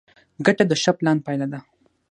ګټه د ښه پلان پایله ده.